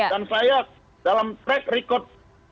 dan saya dalam track record